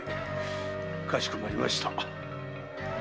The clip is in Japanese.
かしこまりました。